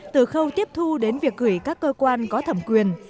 từ khâu tiếp thu đến việc gửi các cơ quan có thẩm quyền